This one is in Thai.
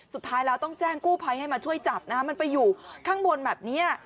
สุดท้ายแล้วต้องแจ้งกู้ภัยให้มาช่วยจับนะฮะมันไปอยู่ข้างบนแบบนี้